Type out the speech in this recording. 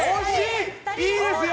いいですよ！